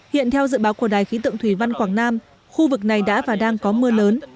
hiện theo dự báo của đài khí tượng thủy văn quảng nam khu vực này đã và đang có mưa lớn